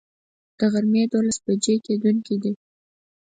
د غرمي دولس بجي کیدونکی دی